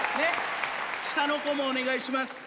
下の子もお願いします。